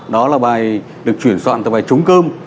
đó là bài được chuyển soạn từ bài chúng cơm